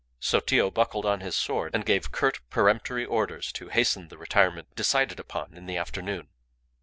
Sotillo buckled on his sword and gave curt, peremptory orders to hasten the retirement decided upon in the afternoon.